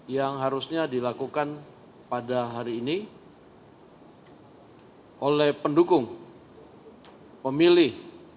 yang harusnya dilakukan pada hari ini oleh pendukung pemilih